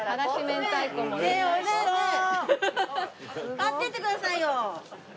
買っていってくださいよ！